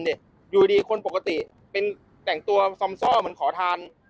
โดยดีคนปกติเป็นแต่งตัวซ่อมก็เหมือนขอทาน